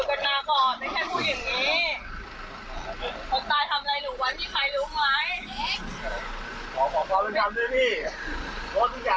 คนชื่อยุ่นไม่ได้แทงเขาไม่ได้มีเจ็บตระดาษทำไมค่ะ